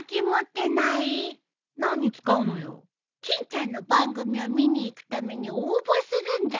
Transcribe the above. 欽ちゃんの番組を見に行くために応募するんだよ。